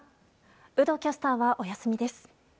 有働キャスターは、お休みです。